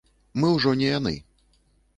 Мы ўжо не яны.